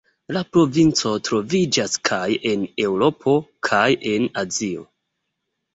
La provinco troviĝas kaj en Eŭropo kaj en Azio.